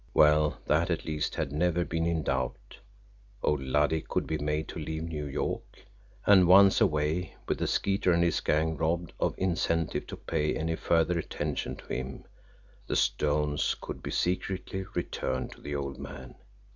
Well, that, at least, had never been in doubt. Old Luddy could be made to leave New York, and, once away, with the Skeeter and his gang robbed of incentive to pay any further attention to him, the stones could be secretly returned to the old man.